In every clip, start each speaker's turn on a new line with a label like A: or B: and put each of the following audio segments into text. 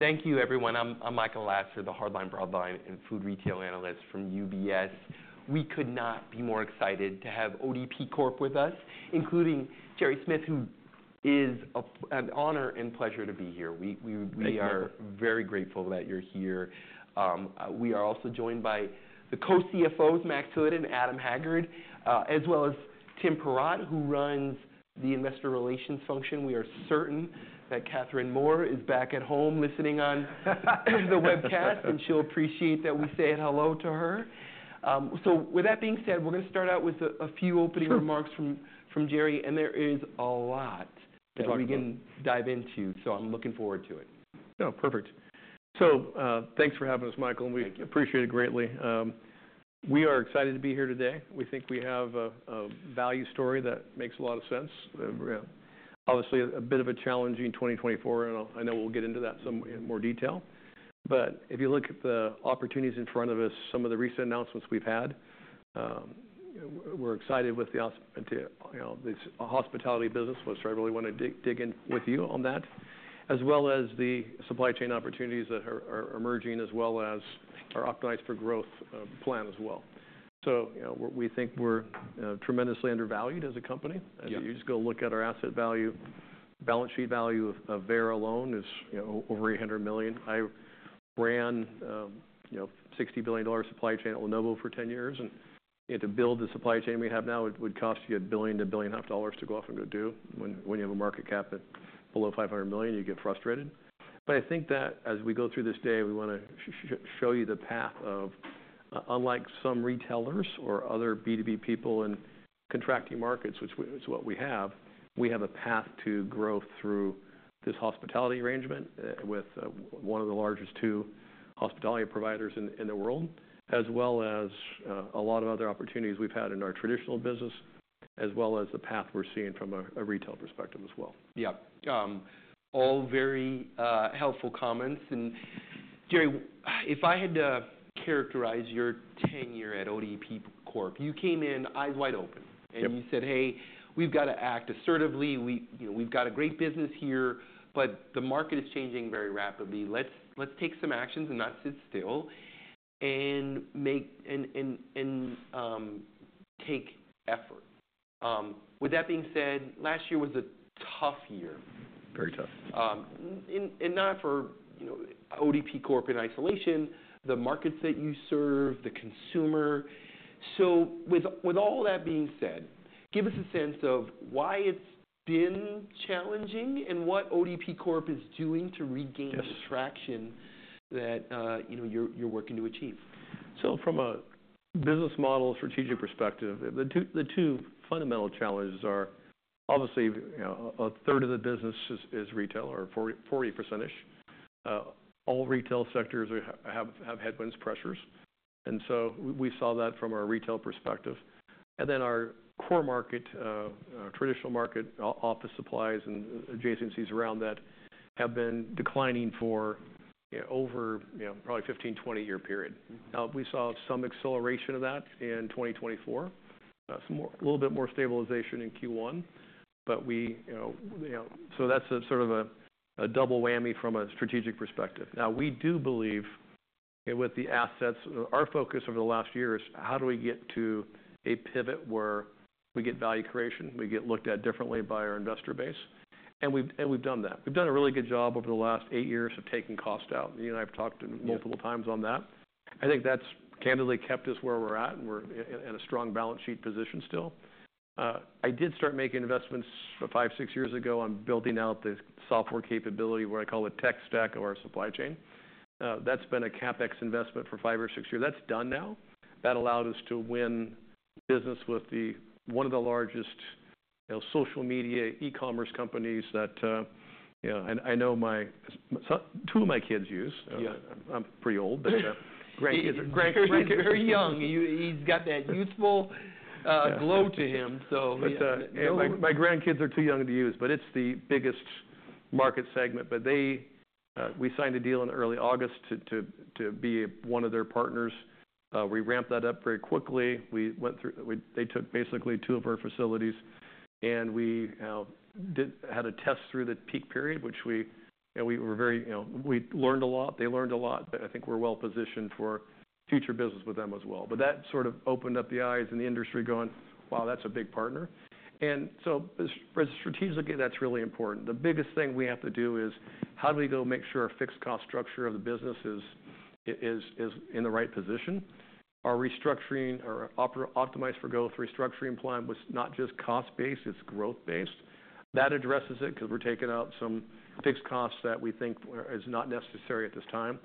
A: Thank you, everyone. I'm Michael Lasser, the hardline broadline and food retail analyst from UBS. We could not be more excited to have ODP Corporation with us, including Gerry Smith, who is an honor and pleasure to be here. We are very grateful that you're here. We are also joined by the co-CFOs, Max Hood and Adam Haggard, as well as Tim Perrott, who runs the investor relations function. We are certain that Katherine Moore is back at home listening on the webcast, and she'll appreciate that we say hello to her. With that being said, we're going to start out with a few opening remarks from Gerry, and there is a lot that we can dive into. I'm looking forward to it.
B: No, perfect. Thanks for having us, Michael. We appreciate it greatly. We are excited to be here today. We think we have a value story that makes a lot of sense. Obviously, a bit of a challenging 2024, and I know we'll get into that in more detail. If you look at the opportunities in front of us, some of the recent announcements we've had, we're excited with the hospitality business, which I really want to dig in with you on that, as well as the supply chain opportunities that are emerging, as well as our Optimized for Growth plan as well. We think we're tremendously undervalued as a company. You just go look at our asset value. Balance sheet value of Veyer alone is over $800 million. I ran a $60 billion supply chain at Lenovo for 10 years, and to build the supply chain we have now would cost you $1 billion-$1.5 billion to go off and go do. When you have a market cap below $500 million, you get frustrated. I think that as we go through this day, we want to show you the path of, unlike some retailers or other B2B people in contracting markets, which is what we have, we have a path to growth through this hospitality arrangement with one of the largest two hospitality providers in the world, as well as a lot of other opportunities we've had in our traditional business, as well as the path we're seeing from a retail perspective as well.
A: Yep. All very helpful comments. Gerry, if I had to characterize your tenure at ODP Corporation, you came in eyes wide open and you said, "Hey, we've got to act assertively. We've got a great business here, but the market is changing very rapidly. Let's take some actions and not sit still and take effort." With that being said, last year was a tough year.
B: Very tough.
A: Not for ODP Corporation in isolation, the markets that you serve, the consumer. With all that being said, give us a sense of why it's been challenging and what ODP Corporation is doing to regain the traction that you're working to achieve.
B: From a business model strategic perspective, the two fundamental challenges are obviously a third of the business is retail or 40%-ish. All retail sectors have headwinds, pressures. We saw that from our retail perspective. Then our core market, traditional market, office supplies and adjacencies around that have been declining for over probably a 15, 20-year period. We saw some acceleration of that in 2024, a little bit more stabilization in Q1. That is sort of a double whammy from a strategic perspective. We do believe with the assets, our focus over the last year is how do we get to a pivot where we get value creation, we get looked at differently by our investor base. We have done that. We have done a really good job over the last eight years of taking cost out. You and I have talked multiple times on that. I think that's candidly kept us where we're at and we're in a strong balance sheet position still. I did start making investments five, six years ago on building out the software capability where I call it tech stack of our supply chain. That's been a CapEx investment for five or six years. That's done now. That allowed us to win business with one of the largest social media e-commerce companies that I know two of my kids use. I'm pretty old, but.
A: Grandkids are very young. He's got that youthful glow to him.
B: My grandkids are too young to use, but it's the biggest market segment. We signed a deal in early August to be one of their partners. We ramped that up very quickly. They took basically two of our facilities, and we had a test through the peak period, which we were very we learned a lot. They learned a lot. I think we're well positioned for future business with them as well. That sort of opened up the eyes in the industry going, "Wow, that's a big partner." Strategically, that's really important. The biggest thing we have to do is how do we go make sure our fixed cost structure of the business is in the right position? Are we structuring or Optimized for Growth? Restructuring plan was not just cost-based, it's growth-based. That addresses it because we're taking out some fixed costs that we think is not necessary at this time.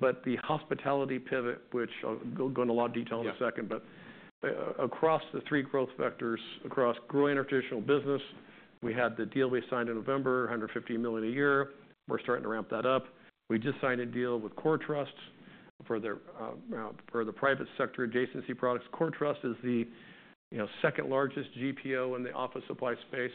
B: The hospitality pivot, which I'll go into a lot of detail in a second, but across the three growth vectors, across growing our traditional business, we had the deal we signed in November, $150 million a year. We're starting to ramp that up. We just signed a deal with CoreTrust for the private sector adjacency products. CoreTrust is the second largest GPO in the office supply space.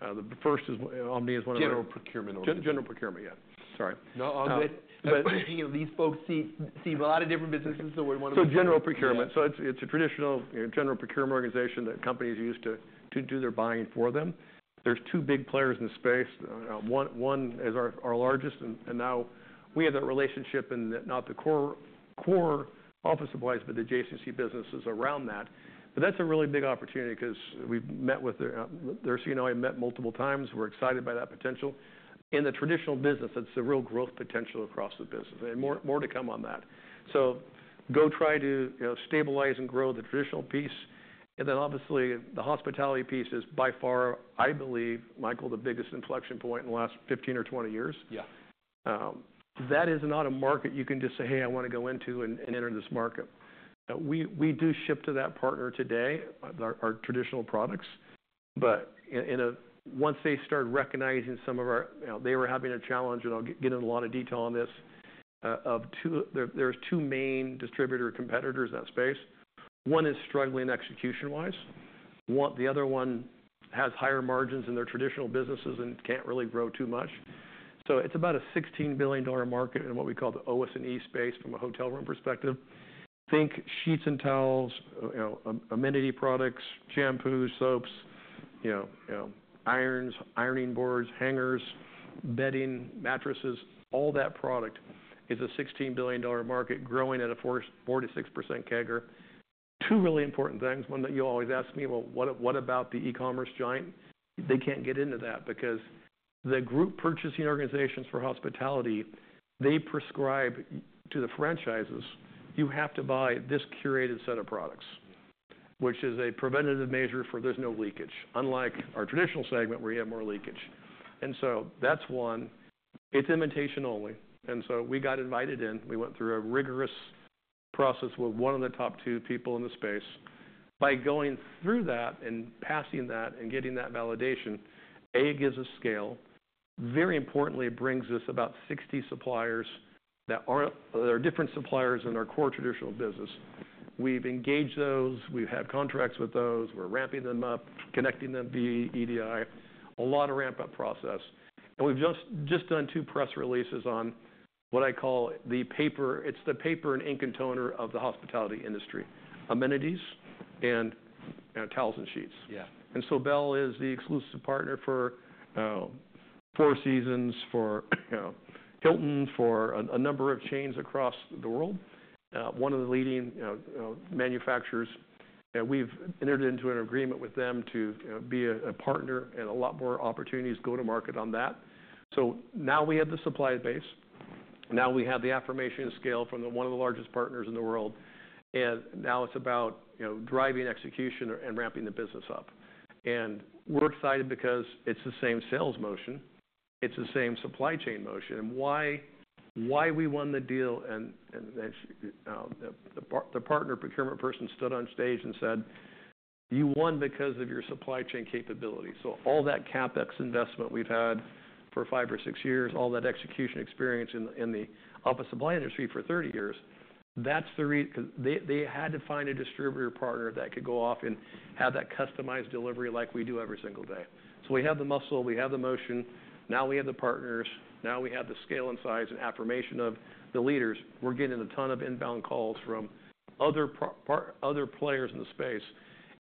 B: The first is OMNIA is one of.
A: General Procurement.
B: General procurement, yeah. Sorry.
A: No, I'm good. These folks see a lot of different businesses, so we want to.
B: General Procurement. It is a traditional general procurement organization that companies use to do their buying for them. There are two big players in the space. One is our largest, and now we have that relationship in not the core office supplies, but the adjacency businesses around that. That is a really big opportunity because we have met with their CNO, I met multiple times. We are excited by that potential. In the traditional business, it is a real growth potential across the business. More to come on that. Go try to stabilize and grow the traditional piece. Obviously the hospitality piece is by far, I believe, Michael, the biggest inflection point in the last 15 or 20 years. That is not a market you can just say, "Hey, I want to go into and enter this market." We do ship to that partner today, our traditional products. Once they start recognizing some of our they were having a challenge, and I'll get into a lot of detail on this, of there's two main distributor competitors in that space. One is struggling execution-wise. The other one has higher margins in their traditional businesses and can't really grow too much. It's about a $16 billion market in what we call the OS&E space from a hotel room perspective. Think sheets and towels, amenity products, shampoos, soaps, irons, ironing boards, hangers, bedding, mattresses. All that product is a $16 billion market growing at a 4-6% CAGR. Two really important things. One that you always ask me, well, what about the e-commerce giant? They can't get into that because the group purchasing organizations for hospitality, they prescribe to the franchises, "You have to buy this curated set of products," which is a preventative measure for there's no leakage, unlike our traditional segment where you have more leakage. That's one. It's invitation only. We got invited in. We went through a rigorous process with one of the top two people in the space. By going through that and passing that and getting that validation, A, gives us scale. Very importantly, it brings us about 60 suppliers that are different suppliers in our core traditional business. We've engaged those. We've had contracts with those. We're ramping them up, connecting them via EDI. A lot of ramp-up process. We have just done two press releases on what I call the paper. It is the paper and ink and toner of the hospitality industry, amenities and towels and sheets. Sobel is the exclusive partner for Four Seasons, for Hilton, for a number of chains across the world, one of the leading manufacturers. We have entered into an agreement with them to be a partner and a lot more opportunities go to market on that. Now we have the supply base. Now we have the affirmation of scale from one of the largest partners in the world. Now it is about driving execution and ramping the business up. We are excited because it is the same sales motion. It is the same supply chain motion. Why we won the deal and the partner procurement person stood on stage and said, "You won because of your supply chain capability." All that CapEx investment we've had for five or six years, all that execution experience in the office supply industry for 30 years, that's the reason they had to find a distributor partner that could go off and have that customized delivery like we do every single day. We have the muscle. We have the motion. Now we have the partners. Now we have the scale and size and affirmation of the leaders. We're getting a ton of inbound calls from other players in the space.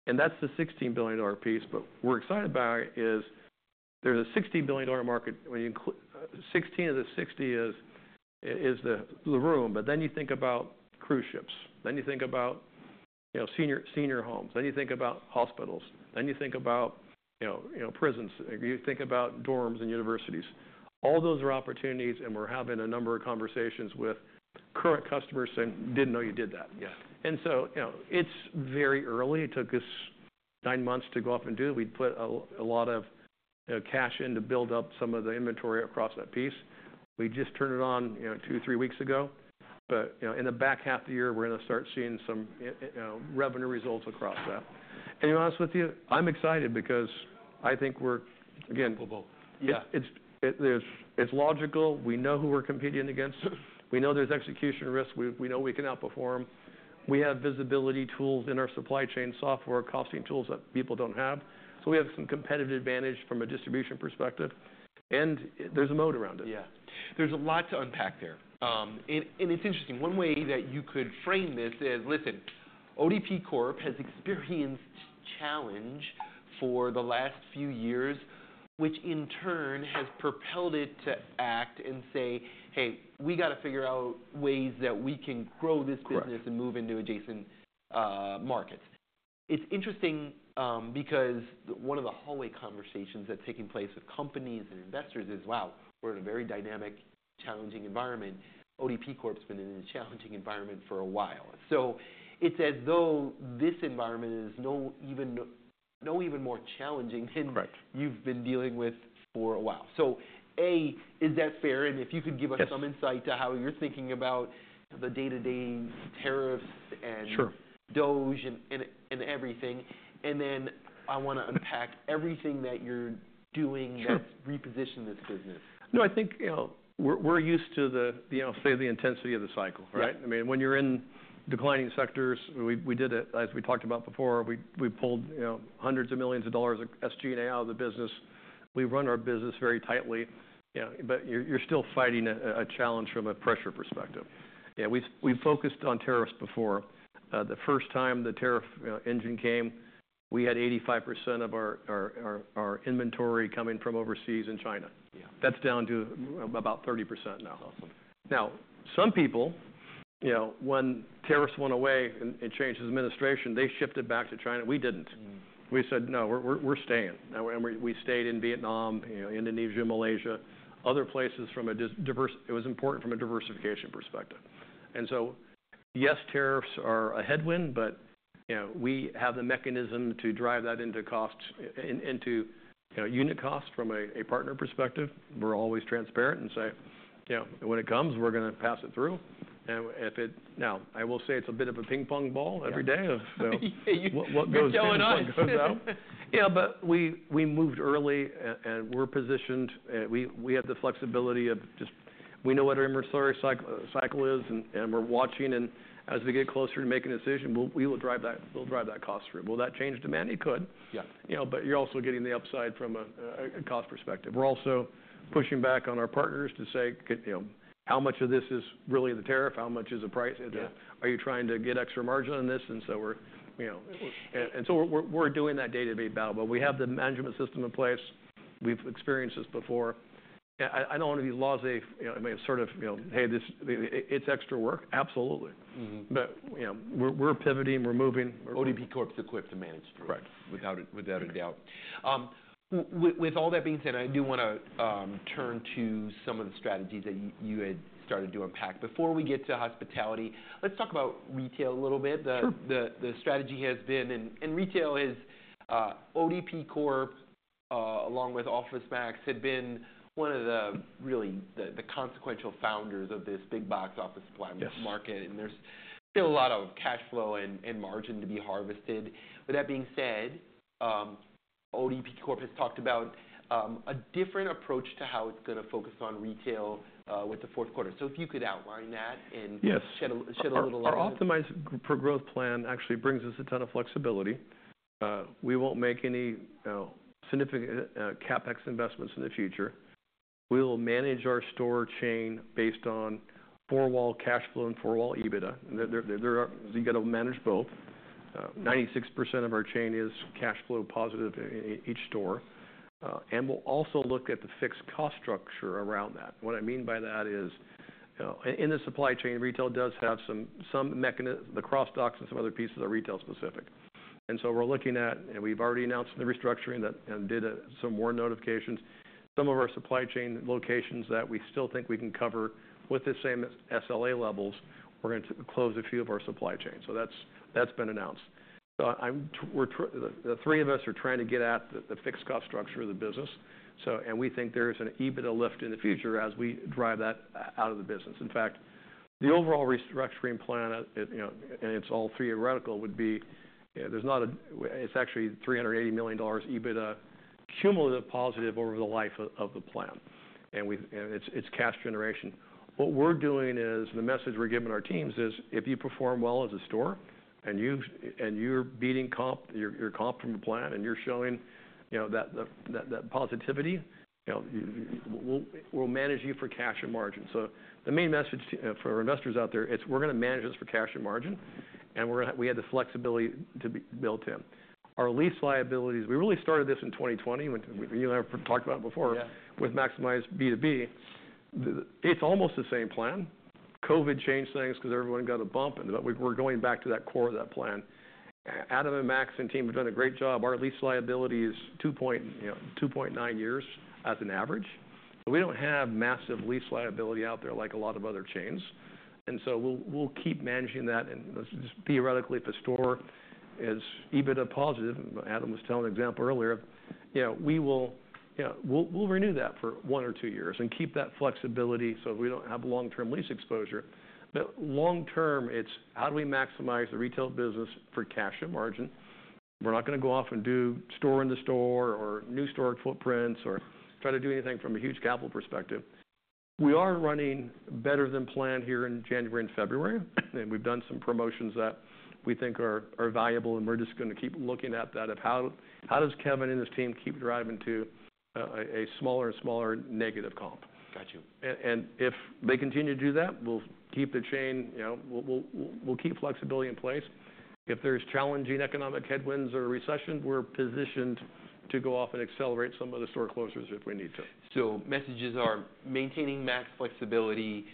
B: That's the $16 billion piece. What we're excited about is there's a $60 billion market. Sixteen of the sixty is the room. You think about cruise ships. You think about senior homes. You think about hospitals. You think about prisons. You think about dorms and universities. All those are opportunities, and we're having a number of conversations with current customers saying, "Didn't know you did that." It is very early. It took us nine months to go off and do it. We put a lot of cash in to build up some of the inventory across that piece. We just turned it on two, three weeks ago. In the back half of the year, we're going to start seeing some revenue results across that. To be honest with you, I'm excited because I think we're, again. We'll both. It's logical. We know who we're competing against. We know there's execution risk. We know we can outperform. We have visibility tools in our supply chain software, costing tools that people don't have. We have some competitive advantage from a distribution perspective. There's a moat around it.
A: Yeah. There's a lot to unpack there. It's interesting. One way that you could frame this is, listen, ODP Corporation has experienced challenge for the last few years, which in turn has propelled it to act and say, "Hey, we got to figure out ways that we can grow this business and move into adjacent markets." It's interesting because one of the hallway conversations that's taking place with companies and investors is, "Wow, we're in a very dynamic, challenging environment. ODP Corporation's been in a challenging environment for a while." It's as though this environment is now even more challenging than you've been dealing with for a while. A, is that fair? If you could give us some insight to how you're thinking about the day-to-day tariffs and DOGE and everything. I want to unpack everything that you're doing that's repositioned this business.
B: No, I think we're used to the, say, the intensity of the cycle, right? I mean, when you're in declining sectors, we did it, as we talked about before. We pulled hundreds of millions of dollars of SG&A out of the business. We run our business very tightly, but you're still fighting a challenge from a pressure perspective. Yeah, we focused on tariffs before. The first time the tariff engine came, we had 85% of our inventory coming from overseas and China. That's down to about 30% now. Now, some people, when tariffs went away and changed the administration, they shifted back to China. We didn't. We said, "No, we're staying." We stayed in Vietnam, Indonesia, Malaysia, other places from a diversification perspective. Yes, tariffs are a headwind, but we have the mechanism to drive that into costs, into unit costs from a partner perspective. We're always transparent and say, "When it comes, we're going to pass it through." I will say it's a bit of a ping-pong ball every day. What goes down, what goes up.
A: What's going on?
B: Yeah, but we moved early and we're positioned. We have the flexibility of just we know what our inventory cycle is and we're watching. As we get closer to making a decision, we will drive that cost through. Will that change demand? It could. You're also getting the upside from a cost perspective. We're also pushing back on our partners to say, "How much of this is really the tariff? How much is the price? Are you trying to get extra margin on this?" We're doing that day-to-day battle, but we have the management system in place. We've experienced this before. I don't want to be laissez-faire. I mean, sort of, "Hey, it's extra work." Absolutely. We're pivoting. We're moving.
A: ODP Corp's equipped to manage through it, without a doubt. With all that being said, I do want to turn to some of the strategies that you had started to unpack. Before we get to hospitality, let's talk about retail a little bit. The strategy has been, and retail has ODP Corporation, along with OfficeMax, had been one of the really consequential founders of this big box office supply market. There's still a lot of cash flow and margin to be harvested. With that being said, ODP Corporation has talked about a different approach to how it's going to focus on retail with the fourth quarter. If you could outline that and shed a little light on that.
B: Our optimized per growth plan actually brings us a ton of flexibility. We won't make any significant CapEx investments in the future. We will manage our store chain based on four-wall cash flow and four-wall EBITDA. You got to manage both. 96% of our chain is cash flow positive in each store. We will also look at the fixed cost structure around that. What I mean by that is, in the supply chain, retail does have some mechanism, the cross-docks and some other pieces are retail specific. We are looking at, and we've already announced the restructuring and did some WARN notifications. Some of our supply chain locations that we still think we can cover with the same SLA levels, we're going to close a few of our supply chain. That has been announced. The three of us are trying to get at the fixed cost structure of the business. We think there's an EBITDA lift in the future as we drive that out of the business. In fact, the overall restructuring plan, and it's all theoretical, would be there's not a it's actually $380 million EBITDA cumulative positive over the life of the plan. It's cash generation. What we're doing is the message we're giving our teams is, if you perform well as a store and you're beating comp, your comp from the plan, and you're showing that positivity, we'll manage you for cash and margin. The main message for investors out there is we're going to manage this for cash and margin. We had the flexibility to build to him. Our lease liabilities, we really started this in 2020. You and I have talked about it before with Maximize B2B. It's almost the same plan. COVID changed things because everyone got a bump. We're going back to that core of that plan. Adam and Max and team have done a great job. Our lease liability is 2.9 years as an average. We don't have massive lease liability out there like a lot of other chains. We'll keep managing that. Theoretically, if a store is EBITDA positive, Adam was telling an example earlier, we will renew that for one or two years and keep that flexibility so we don't have long-term lease exposure. Long-term, it's how do we maximize the retail business for cash and margin? We're not going to go off and do store in the store or new store footprints or try to do anything from a huge capital perspective. We are running better than planned here in January and February. We have done some promotions that we think are valuable. We are just going to keep looking at that, of how does Kevin and his team keep driving to a smaller and smaller negative comp.
A: Got you.
B: If they continue to do that, we'll keep the chain. We'll keep flexibility in place. If there's challenging economic headwinds or a recession, we're positioned to go off and accelerate some of the store closures if we need to.
A: Messages are maintaining max flexibility,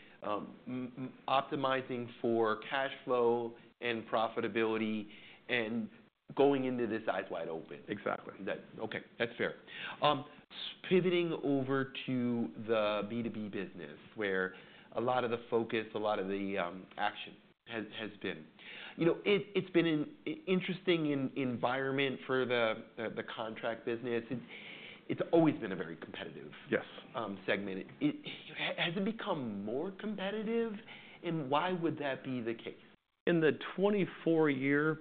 A: optimizing for cash flow and profitability, and going into this eyes wide open.
B: Exactly.
A: Okay. That's fair. Pivoting over to the B2B business, where a lot of the focus, a lot of the action has been. It's been an interesting environment for the contract business. It's always been a very competitive segment. Has it become more competitive? Why would that be the case?
B: In the 2024 year,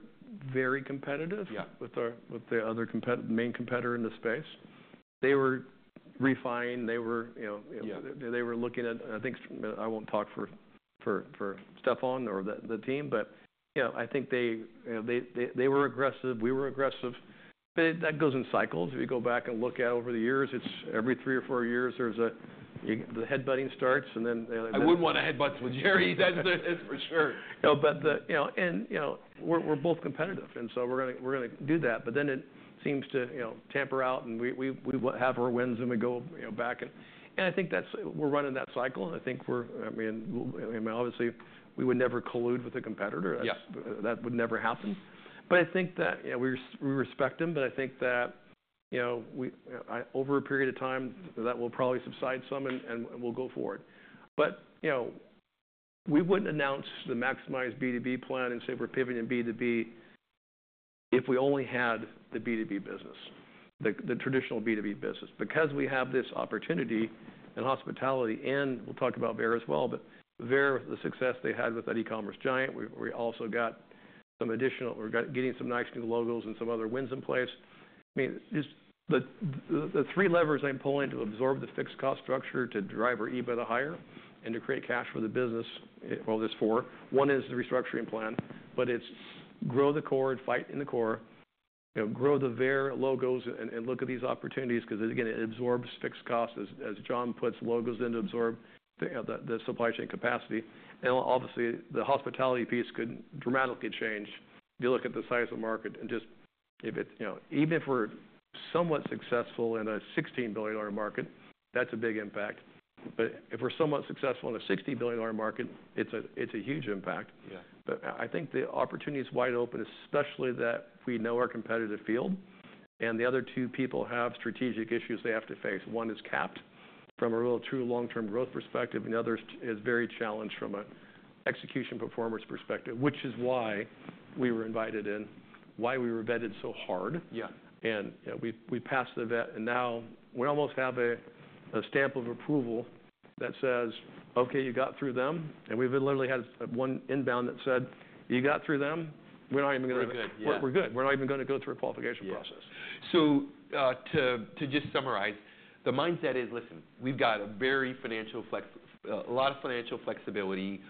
B: very competitive with the other main competitor in the space. They were refined. They were looking at, I think I won't talk for Stefan or the team, but I think they were aggressive. We were aggressive. That goes in cycles. If you go back and look at over the years, it's every three or four years, there's a headbutting starts and then.
A: I wouldn't want to headbutt with Gerry. That's for sure.
B: We're both competitive. We're going to do that. It seems to tamper out and we have our wins and we go back. I think we're running that cycle. I mean, obviously, we would never collude with a competitor. That would never happen. I think that we respect them. I think that over a period of time, that will probably subside some and we'll go forward. We wouldn't announce the Maximize B2B plan and say we're pivoting B2B if we only had the B2B business, the traditional B2B business. We have this opportunity in hospitality and we'll talk about Veyer as well, but Veyer, with the success they had with that e-commerce giant, we also got some additional, we're getting some nice new logos and some other wins in place. I mean, the three levers I'm pulling to absorb the fixed cost structure to drive our EBITDA higher and to create cash for the business, well, there's four. One is the restructuring plan, but it's grow the core, fight in the core, grow the Veyer logos and look at these opportunities because, again, it absorbs fixed costs, as John puts logos in to absorb the supply chain capacity. Obviously, the hospitality piece could dramatically change if you look at the size of the market and just even if we're somewhat successful in a $16 billion market, that's a big impact. If we're somewhat successful in a $60 billion market, it's a huge impact. I think the opportunity is wide open, especially that we know our competitive field. The other two people have strategic issues they have to face. One is capped from a real true long-term growth perspective. The other is very challenged from an execution performance perspective, which is why we were invited in, why we were vetted so hard. We passed the vet. Now we almost have a stamp of approval that says, "Okay, you got through them." We have literally had one inbound that said, "You got through them. We're not even going to.
A: We're good.
B: We're good. We're not even going to go through a qualification process.
A: To just summarize, the mindset is, "Listen, we've got a very financial, a lot of financial flexibility.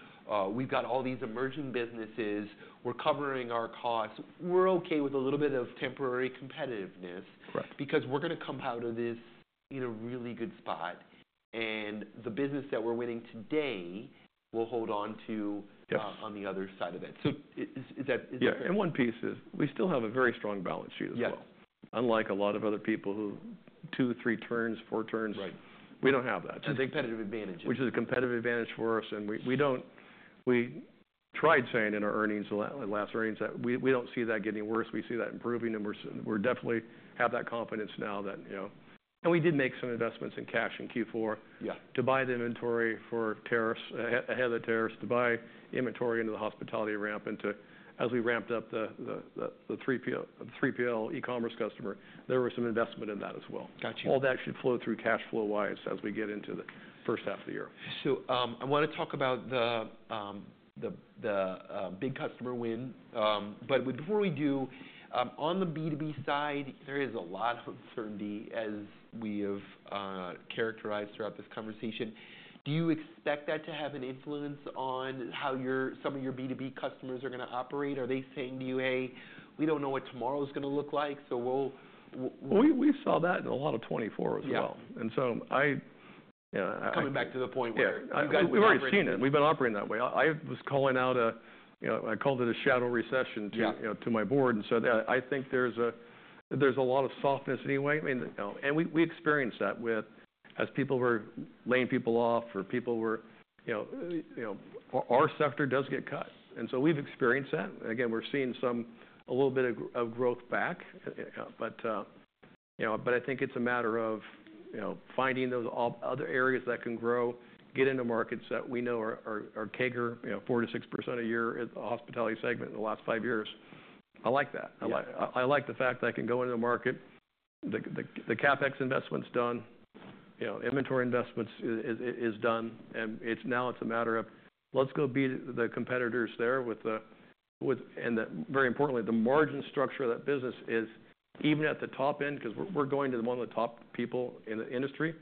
A: We've got all these emerging businesses. We're covering our costs. We're okay with a little bit of temporary competitiveness because we're going to come out of this in a really good spot. And the business that we're winning today will hold on to on the other side of it." Is that fair?
B: Yeah. One piece is we still have a very strong balance sheet as well. Unlike a lot of other people who two, three turns, four turns, we do not have that.
A: That's a competitive advantage.
B: Which is a competitive advantage for us. We tried saying in our earnings, last earnings, that we do not see that getting worse. We see that improving. We definitely have that confidence now, and we did make some investments in cash in Q4 to buy the inventory for tariffs, ahead of the tariffs, to buy inventory into the hospitality ramp. As we ramped up the 3PL e-commerce customer, there was some investment in that as well. All that should flow through cash flow-wise as we get into the first half of the year.
A: I want to talk about the big customer win. Before we do, on the B2B side, there is a lot of uncertainty, as we have characterized throughout this conversation. Do you expect that to have an influence on how some of your B2B customers are going to operate? Are they saying to you, "Hey, we don't know what tomorrow is going to look like, so we'll.
B: We saw that in a lot of 2024 as well. I.
A: Coming back to the point where.
B: We've already seen it. We've been operating that way. I was calling out a, I called it a shadow recession to my board. I think there's a lot of softness anyway. I mean, we experienced that as people were laying people off or people were, our sector does get cut. We've experienced that. Again, we're seeing some, a little bit of growth back. I think it's a matter of finding those other areas that can grow, get into markets that we know are CAGR, 4%-6% a year in the hospitality segment in the last five years. I like that. I like the fact that I can go into the market. The CapEx investment's done. Inventory investment is done. Now it's a matter of, let's go beat the competitors there with the, and very importantly, the margin structure of that business is even at the top end because we're going to one of the top people in the industry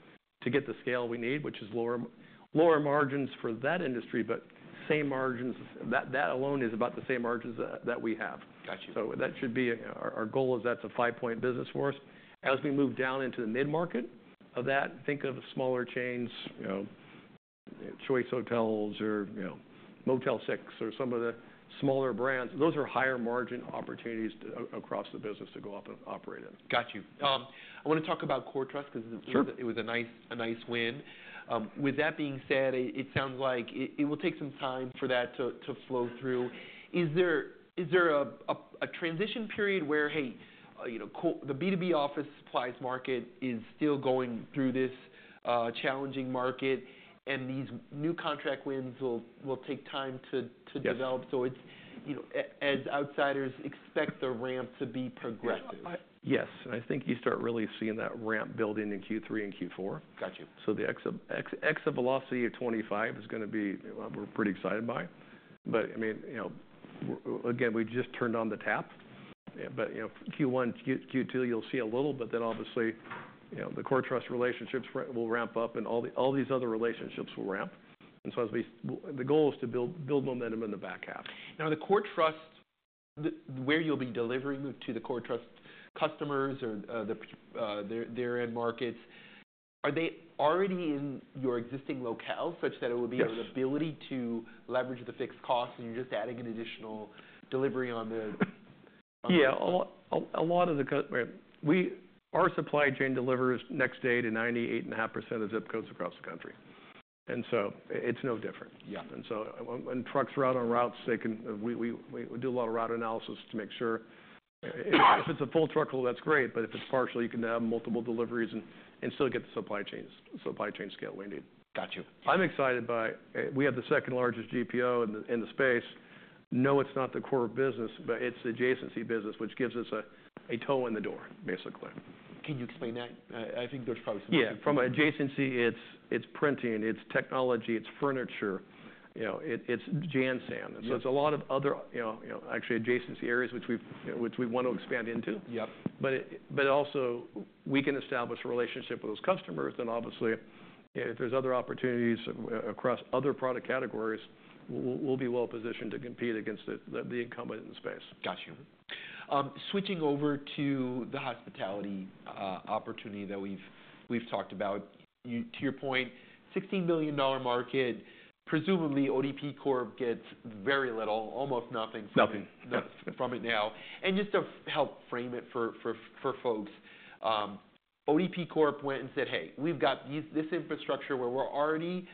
B: to get the scale we need, which is lower margins for that industry, but same margins. That alone is about the same margins that we have. That should be our goal is that's a five-point business for us. As we move down into the mid-market of that, think of smaller chains, Choice Hotels or Motel 6 or some of the smaller brands. Those are higher margin opportunities across the business to go up and operate in.
A: Got you. I want to talk about CoreTrust because it was a nice win. With that being said, it sounds like it will take some time for that to flow through. Is there a transition period where, hey, the B2B office supplies market is still going through this challenging market and these new contract wins will take time to develop? As outsiders expect the ramp to be progressive.
B: Yes. I think you start really seeing that ramp building in Q3 and Q4. The exit velocity of 2025 is going to be, we're pretty excited by. I mean, again, we just turned on the tap. Q1, Q2, you'll see a little. Obviously, the CoreTrust relationships will ramp up and all these other relationships will ramp. The goal is to build momentum in the back half.
A: Now, the CoreTrust, where you'll be delivering to the CoreTrust customers or their end markets, are they already in your existing locales such that it will be an ability to leverage the fixed costs and you're just adding an additional delivery on the.
B: Yeah. A lot of our supply chain delivers next day to 98.5% of U.S. ZIP codes across the country. It's no different. When trucks are out on routes, we do a lot of route analysis to make sure if it's a full truckload, that's great. If it's partial, you can have multiple deliveries and still get the supply chain scale we need.
A: Got you.
B: I'm excited by we have the second largest GPO in the space. No, it's not the core business, but it's the adjacency business, which gives us a toe in the door, basically.
A: Can you explain that? I think there's probably some questions.
B: Yeah. From adjacency, it's printing, it's technology, it's furniture, it's JanSan. It's a lot of other actually adjacency areas, which we want to expand into. We can establish a relationship with those customers. Obviously, if there's other opportunities across other product categories, we'll be well positioned to compete against the incumbent in the space.
A: Got you. Switching over to the hospitality opportunity that we've talked about. To your point, $16 billion market, presumably ODP Corporation gets very little, almost nothing from it now. Just to help frame it for folks, ODP Corporation went and said, "Hey, we've got this infrastructure where we're already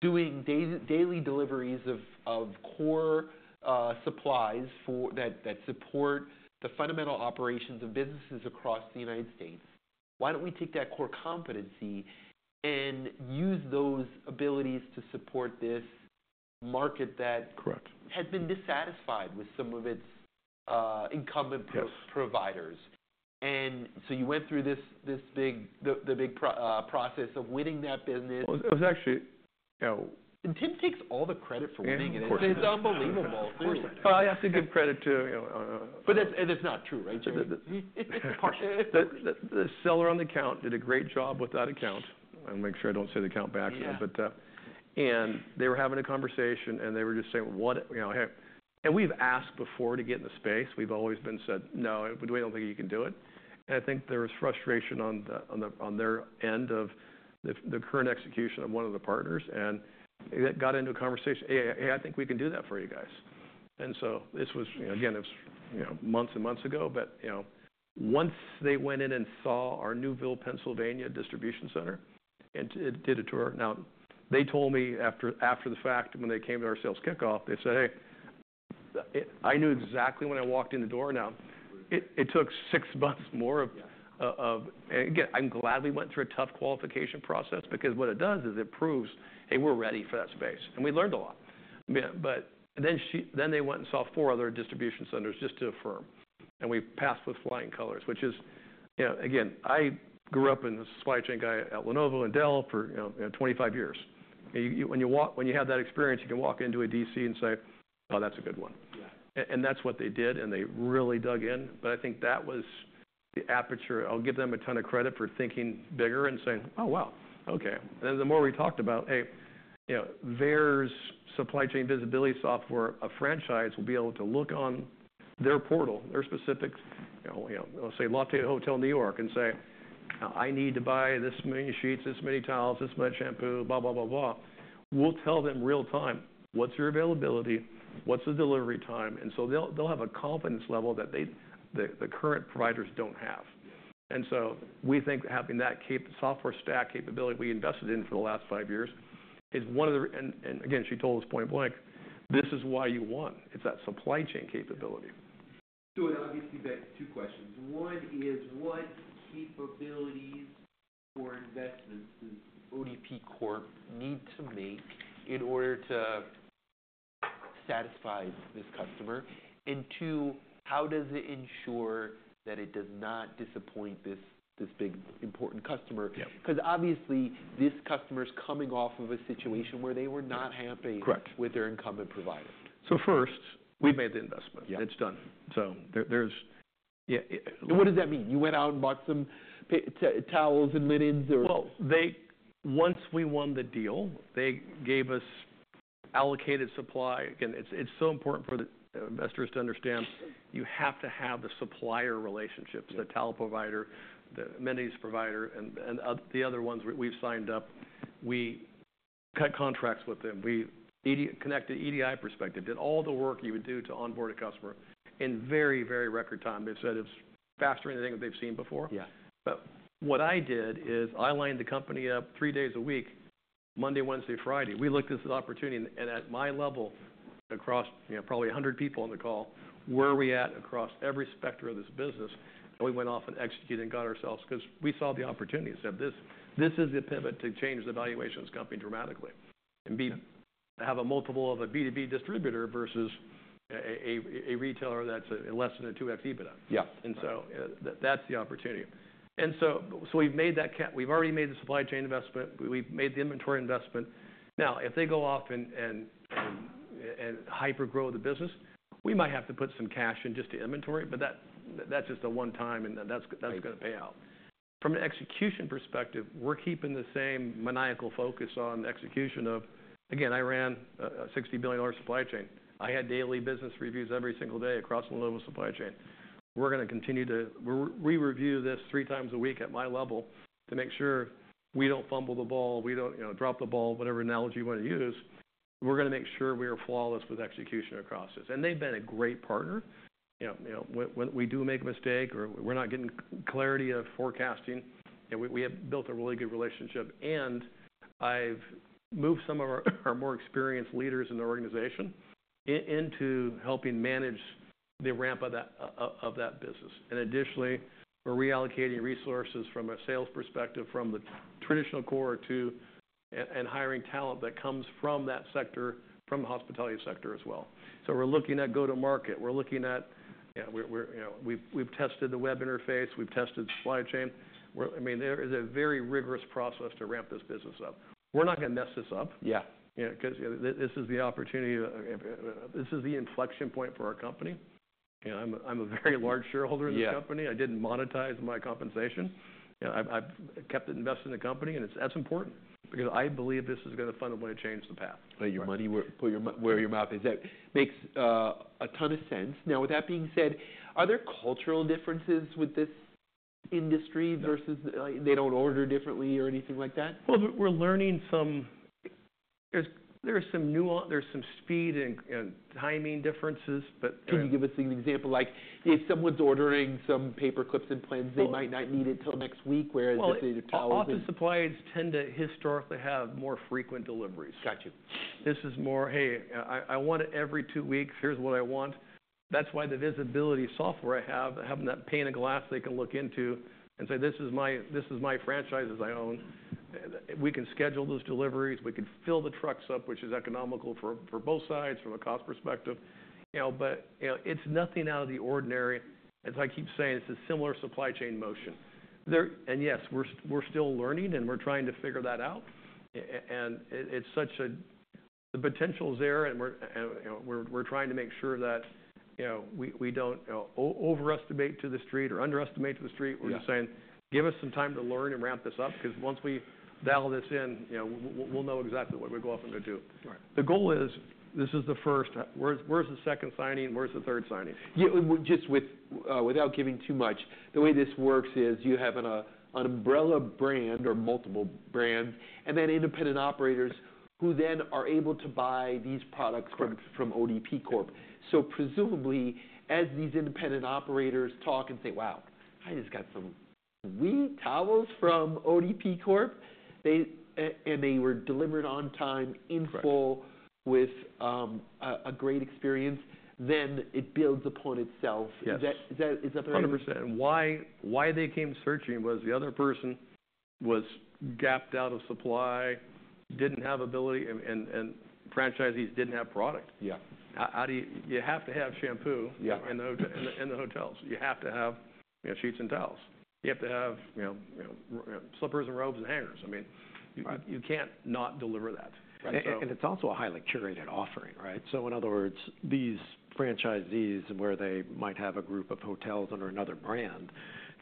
A: doing daily deliveries of core supplies that support the fundamental operations of businesses across the United States. Why don't we take that core competency and use those abilities to support this market that has been dissatisfied with some of its incumbent providers?" You went through the big process of winning that business.
B: It was actually.
A: Tim takes all the credit for winning it. It's unbelievable.
B: I have to give credit to.
A: That's not true, right?
B: It's partial. The seller on the account did a great job with that account. I'll make sure I don't say the account back. They were having a conversation and they were just saying, "Hey." We've asked before to get in the space. We've always been said, "No, we don't think you can do it." I think there was frustration on their end of the current execution of one of the partners. Got into a conversation, "Hey, I think we can do that for you guys." This was, again, it was months and months ago. Once they went in and saw our Newville, Pennsylvania distribution center and did a tour. They told me after the fact when they came to our sales kickoff, they said, "Hey, I knew exactly when I walked in the door. Now, it took six months more of, "and again, I'm glad we went through a tough qualification process because what it does is it proves, 'Hey, we're ready for that space.' And we learned a lot." They went and saw four other distribution centers just to affirm. We passed with flying colors, which is, again, I grew up as the supply chain guy at Lenovo and Dell for 25 years. When you have that experience, you can walk into a DC and say, "Oh, that's a good one." That is what they did. They really dug in. I think that was the aperture. I'll give them a ton of credit for thinking bigger and saying, "Oh, wow. Okay. The more we talked about, "Hey, Veyer's supply chain visibility software, a franchise will be able to look on their portal, their specifics, say, Lafayette Hotel New York and say, 'I need to buy this many sheets, this many towels, this much shampoo, blah, blah, blah, blah.' We'll tell them real time, 'What's your availability? What's the delivery time?' They will have a confidence level that the current providers don't have." We think having that software stack capability we invested in for the last five years is one of the, and again, she told us point blank, "This is why you won. It's that supply chain capability.
A: Obviously, two questions. One is, what capabilities or investments does ODP Corporation need to make in order to satisfy this customer? And two, how does it ensure that it does not disappoint this big important customer? Because obviously, this customer is coming off of a situation where they were not happy with their incumbent provider.
B: First, we've made the investment. It's done. There's.
A: What does that mean? You went out and bought some towels and linens or?
B: Once we won the deal, they gave us allocated supply. Again, it's so important for the investors to understand you have to have the supplier relationships, the towel provider, the amenities provider, and the other ones we've signed up. We cut contracts with them. We connected EDI perspective, did all the work you would do to onboard a customer in very, very record time. They said it's faster than anything they've seen before. What I did is I lined the company up three days a week, Monday, Wednesday, Friday. We looked at this opportunity. At my level, across probably 100 people on the call, where are we at across every specter of this business? We went off and executed and got ourselves because we saw the opportunity. I said, "This is the pivot to change the valuation of this company dramatically and have a multiple of a B2B distributor versus a retailer that's less than a 2X EBITDA." That's the opportunity. We've already made the supply chain investment. We've made the inventory investment. Now, if they go off and hyper-grow the business, we might have to put some cash in just the inventory. That's just a one-time and that's going to pay out. From an execution perspective, we're keeping the same maniacal focus on execution of, again, I ran a $60 billion supply chain. I had daily business reviews every single day across Lenovo supply chain. We're going to continue to re-review this three times a week at my level to make sure we don't fumble the ball, we don't drop the ball, whatever analogy you want to use. We're going to make sure we are flawless with execution across this. They've been a great partner. If we do make a mistake or we're not getting clarity of forecasting, we have built a really good relationship. I've moved some of our more experienced leaders in the organization into helping manage the ramp of that business. Additionally, we're reallocating resources from a sales perspective from the traditional core and hiring talent that comes from that sector, from the hospitality sector as well. We're looking at go-to-market. We've tested the web interface. We've tested the supply chain. I mean, there is a very rigorous process to ramp this business up. We're not going to mess this up because this is the opportunity. This is the inflection point for our company. I'm a very large shareholder in this company. I didn't monetize my compensation. I've kept it invested in the company. It is important because I believe this is going to fundamentally change the path.
A: Put your money where your mouth is. That makes a ton of sense. Now, with that being said, are there cultural differences with this industry versus they do not order differently or anything like that?
B: We're learning some. There's some speed and timing differences.
A: Can you give us an example? Like if someone's ordering some paper clips and pins, they might not need it till next week, whereas if they do towels.
B: Often suppliers tend to historically have more frequent deliveries.
A: Got you.
B: This is more, "Hey, I want it every two weeks. Here's what I want." That is why the visibility software I have, having that pane of glass they can look into and say, "This is my franchise as I own." We can schedule those deliveries. We can fill the trucks up, which is economical for both sides from a cost perspective. It is nothing out of the ordinary. As I keep saying, it is a similar supply chain motion. Yes, we are still learning and we are trying to figure that out. The potential is there. We are trying to make sure that we do not overestimate to the street or underestimate to the street. We're just saying, "Give us some time to learn and ramp this up because once we dial this in, we'll know exactly what we go off and go do." The goal is this is the first. Where's the second signing? Where's the third signing?
A: Just without giving too much, the way this works is you have an umbrella brand or multiple brands and then independent operators who then are able to buy these products from ODP Corporation. Presumably, as these independent operators talk and say, "Wow, I just got some wee towels from ODP Corporation, and they were delivered on time in full with a great experience," it builds upon itself. Is that fair?
B: 100%. Why they came searching was the other person was gapped out of supply, did not have ability, and franchisees did not have product. You have to have shampoo in the hotels. You have to have sheets and towels. You have to have slippers and robes and hangers. I mean, you cannot not deliver that.
A: It is also a highly curated offering, right? In other words, these franchisees, where they might have a group of hotels under another brand,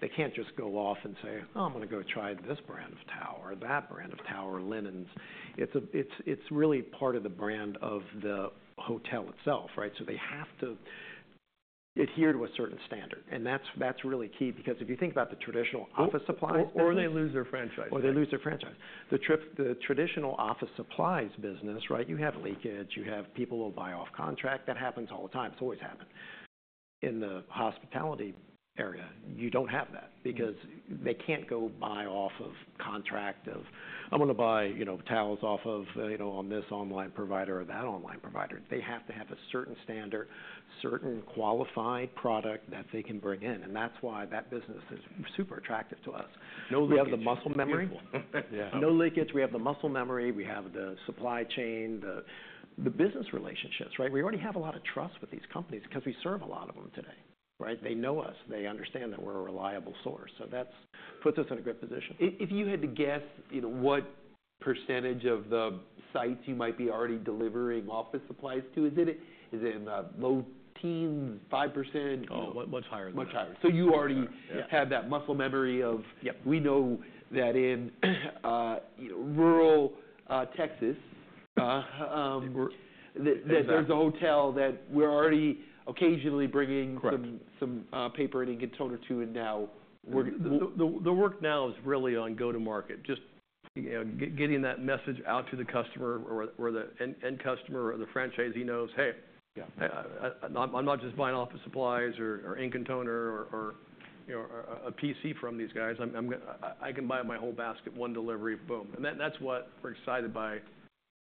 A: they cannot just go off and say, "Oh, I am going to go try this brand of towel or that brand of towel or linens." It is really part of the brand of the hotel itself, right? They have to adhere to a certain standard. That is really key because if you think about the traditional office supplies.
B: Or they lose their franchise.
A: They lose their franchise. The traditional office supplies business, right? You have leakage. You have people who will buy off contract. That happens all the time. It's always happened. In the hospitality area, you don't have that because they can't go buy off of contract of, "I'm going to buy towels off of this online provider or that online provider." They have to have a certain standard, certain qualified product that they can bring in. That business is super attractive to us.
B: No leakage.
A: We have the muscle memory. No leakage. We have the muscle memory. We have the supply chain, the business relationships, right? We already have a lot of trust with these companies because we serve a lot of them today, right? They know us. They understand that we're a reliable source. That puts us in a good position. If you had to guess what percentage of the sites you might be already delivering office supplies to, is it in the low teens, 5%?
B: Oh, much higher than that.
A: Much higher. You already have that muscle memory of, "We know that in rural Texas, there's a hotel that we're already occasionally bringing some paper and ink and toner to, and now we're.
B: The work now is really on go-to-market, just getting that message out to the customer or the end customer or the franchisee knows, "Hey, I'm not just buying office supplies or ink and toner or a PC from these guys. I can buy my whole basket, one delivery, boom." That is what we're excited by.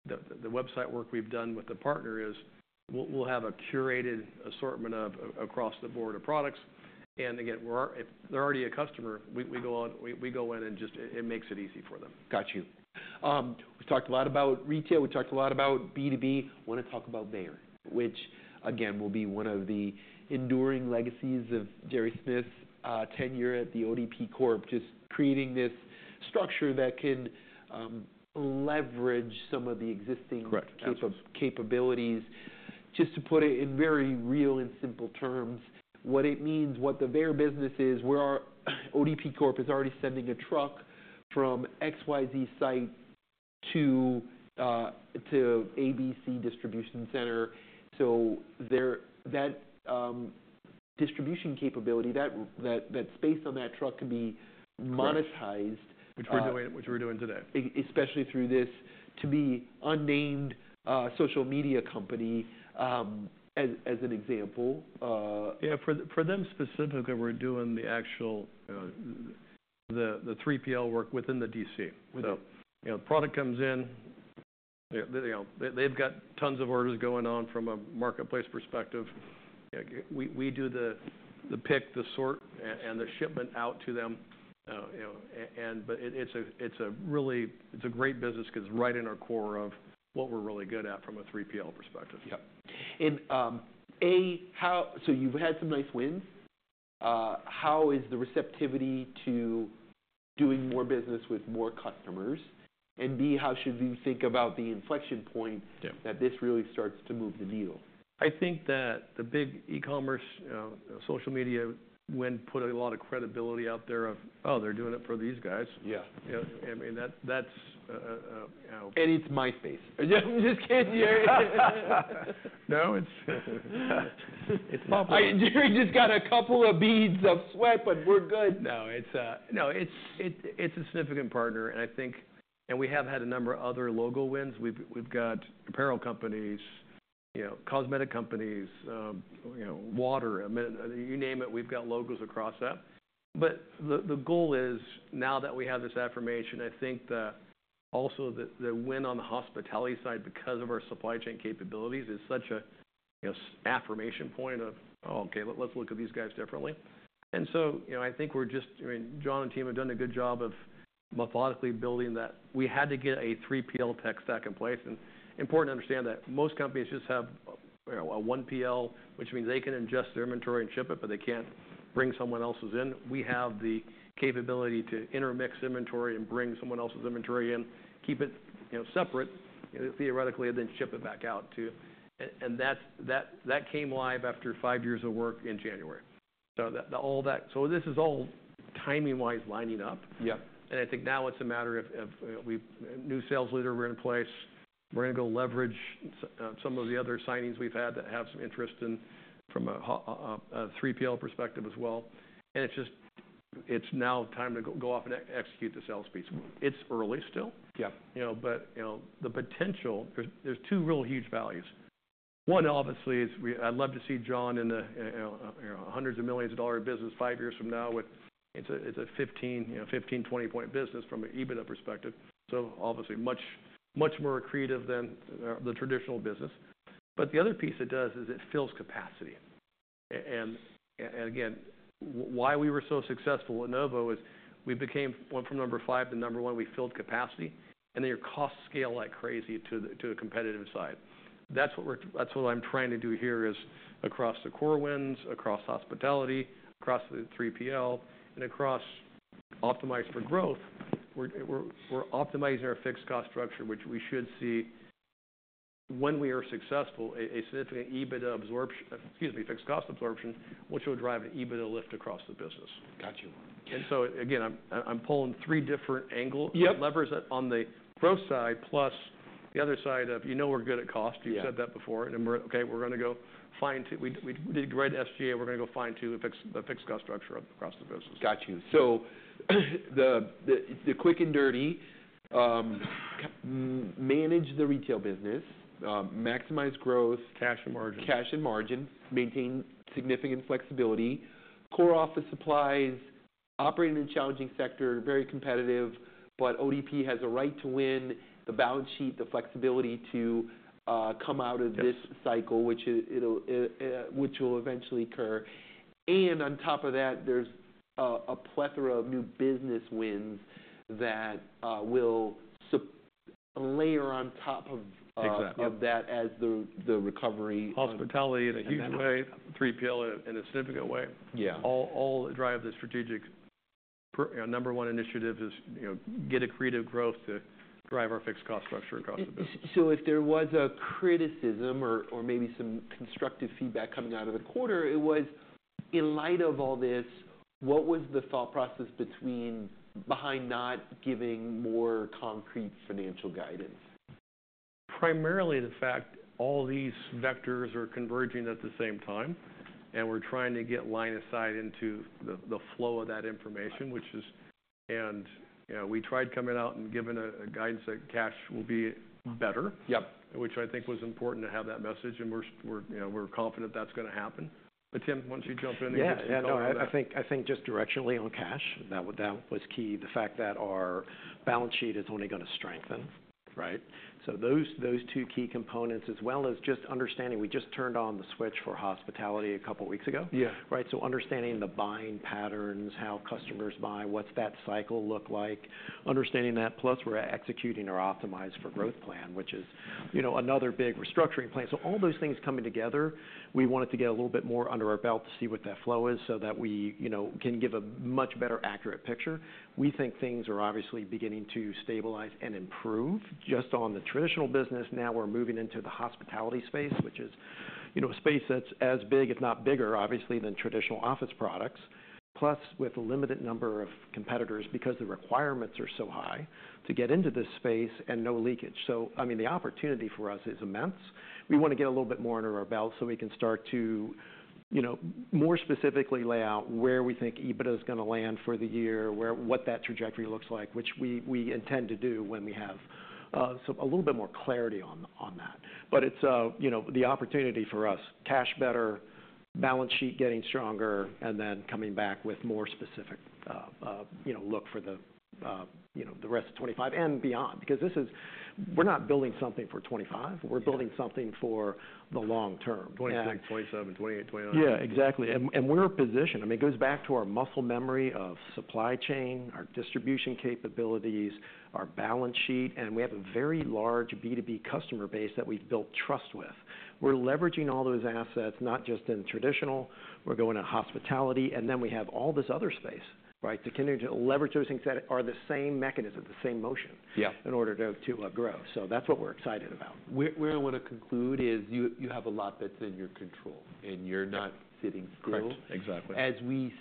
B: The website work we've done with the partner is we'll have a curated assortment across the board of products. Again, if they're already a customer, we go in and just it makes it easy for them.
A: Got you. We talked a lot about retail. We talked a lot about B2B. I want to talk about Veyer, which again, will be one of the enduring legacies of Gerry Smith's tenure at the ODP Corporation, just creating this structure that can leverage some of the existing capabilities. Just to put it in very real and simple terms, what it means, what the Veyer business is, where ODP Corporation is already sending a truck from XYZ site to ABC Distribution Center. So that distribution capability, that space on that truck could be monetized.
B: Which we're doing today.
A: Especially through this to be unnamed social media company as an example.
B: Yeah. For them specifically, we're doing the actual 3PL work within the DC. The product comes in. They've got tons of orders going on from a marketplace perspective. We do the pick, the sort, and the shipment out to them. It is a great business because it's right in our core of what we're really good at from a 3PL perspective.
A: Yep. A, so you've had some nice wins. How is the receptivity to doing more business with more customers? B, how should we think about the inflection point that this really starts to move the needle?
B: I think that the big e-commerce, social media went and put a lot of credibility out there of, "Oh, they're doing it for these guys." I mean, that's.
A: It's MySpace.
B: No, it's.
A: It's popular. Gerry just got a couple of beads of sweat, but we're good.
B: No, it's a significant partner. I think we have had a number of other logo wins. We've got apparel companies, cosmetic companies, water, you name it, we've got logos across that. The goal is now that we have this affirmation, I think also the win on the hospitality side because of our supply chain capabilities is such an affirmation point of, "Oh, okay, let's look at these guys differently." I think we're just, I mean, John and team have done a good job of methodically building that. We had to get a 3PL tech stack in place. It is important to understand that most companies just have a 1PL, which means they can ingest their inventory and ship it, but they can't bring someone else's in. We have the capability to intermix inventory and bring someone else's inventory in, keep it separate theoretically, and then ship it back out too. That came live after five years of work in January. This is all timing-wise lining up. I think now it's a matter of new sales leader we're in place. We're going to go leverage some of the other signings we've had that have some interest from a 3PL perspective as well. It's now time to go off and execute the sales piece. It's early still. The potential, there's two real huge values. One, obviously, is I'd love to see John in the hundreds of millions of dollars business five years from now with it's a 15-20-point business from an EBITDA perspective. Obviously, much more creative than the traditional business. The other piece it does is it fills capacity. Again, why we were so successful at Lenovo is we went from number five to number one. We filled capacity. Then your costs scale like crazy to the competitive side. That's what I'm trying to do here is across the core wins, across hospitality, across the 3PL, and across Optimized for Growth. We're optimizing our fixed cost structure, which we should see when we are successful, a significant EBITDA absorption, excuse me, fixed cost absorption, which will drive an EBITDA lift across the business.
A: Got you.
B: I'm pulling three different levers on the growth side, plus the other side of, "You know we're good at cost." You've said that before. Okay, we're going to go find we did great SG&A. We're going to go find to a fixed cost structure across the business.
A: Got you. The quick and dirty, manage the retail business, maximize growth.
B: Cash and margin.
A: Cash and margin, maintain significant flexibility. Core office supplies, operating in a challenging sector, very competitive, but ODP has a right to win the balance sheet, the flexibility to come out of this cycle, which will eventually occur. On top of that, there's a plethora of new business wins that will layer on top of that as the recovery.
B: Hospitality in a huge way, 3PL in a significant way. All drive the strategic number one initiative is get accretive growth to drive our fixed cost structure across the business.
A: If there was a criticism or maybe some constructive feedback coming out of the quarter, it was in light of all this, what was the thought process behind not giving more concrete financial guidance?
B: Primarily the fact all these vectors are converging at the same time. We are trying to get line of sight into the flow of that information, which is. We tried coming out and giving a guidance that cash will be better, which I think was important to have that message. We are confident that is going to happen. Tim, once you jump in.
C: Yeah. No, I think just directionally on cash, that was key. The fact that our balance sheet is only going to strengthen, right? Those two key components, as well as just understanding we just turned on the switch for hospitality a couple of weeks ago, right? Understanding the buying patterns, how customers buy, what's that cycle look like, understanding that, plus we're executing our Optimized for Growth plan, which is another big restructuring plan. All those things coming together, we wanted to get a little bit more under our belt to see what that flow is so that we can give a much better accurate picture. We think things are obviously beginning to stabilize and improve just on the traditional business. Now we're moving into the hospitality space, which is a space that's as big, if not bigger, obviously, than traditional office products, plus with a limited number of competitors because the requirements are so high to get into this space and no leakage. I mean, the opportunity for us is immense. We want to get a little bit more under our belt so we can start to more specifically lay out where we think EBITDA is going to land for the year, what that trajectory looks like, which we intend to do when we have a little bit more clarity on that. It's the opportunity for us, cash better, balance sheet getting stronger, and then coming back with more specific look for the rest of 2025 and beyond because this is we're not building something for 2025. We're building something for the long term.
B: 2026, 2027, 2028, 2029.
C: Yeah, exactly. We're positioned. I mean, it goes back to our muscle memory of supply chain, our distribution capabilities, our balance sheet. We have a very large B2B customer base that we've built trust with. We're leveraging all those assets, not just in traditional. We're going to hospitality. We have all this other space, right? Leverage those things that are the same mechanism, the same motion in order to grow. That's what we're excited about. Where I want to conclude is you have a lot that's in your control, and you're not sitting still.
B: Correct. Exactly. As we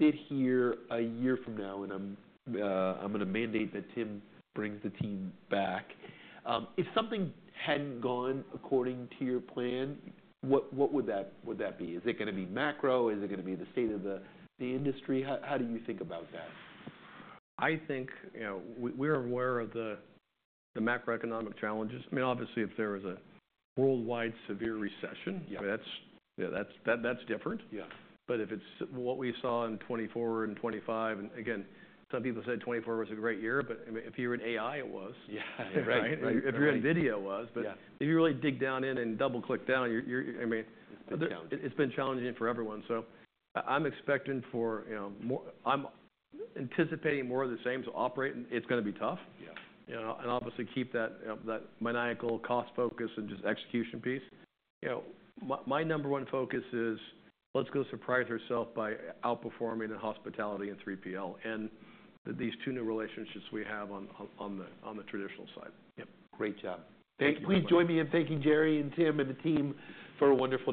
B: sit here a year from now, and I'm going to mandate that Tim brings the team back, if something hadn't gone according to your plan, what would that be? Is it going to be macro? Is it going to be the state of the industry? How do you think about that? I think we're aware of the macroeconomic challenges. I mean, obviously, if there was a worldwide severe recession, that's different. If it's what we saw in 2024 and 2025, and again, some people said 2024 was a great year, but if you're in AI, it was.
A: Yeah, right.
B: If you're in video, it was. If you really dig down in and double-click down, I mean.
A: It's been challenging.
B: It's been challenging for everyone. I'm expecting for, I'm anticipating more of the same to operate. It's going to be tough. Obviously, keep that maniacal cost focus and just execution piece. My number one focus is let's go surprise ourselves by outperforming in hospitality and 3PL and these two new relationships we have on the traditional side.
A: Yep. Great job.
B: Thank you.
A: Please join me in thanking Gerry and Tim and the team for a wonderful.